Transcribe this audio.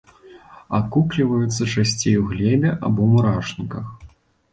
Акукліваюцца часцей у глебе або мурашніках.